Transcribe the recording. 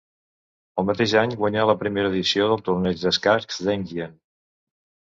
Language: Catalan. El mateix any, guanyà la primera edició del Torneig d'escacs d'Enghien.